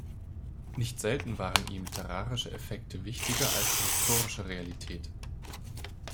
Nicht selten waren ihm literarische Effekte wichtiger als die historische Realität.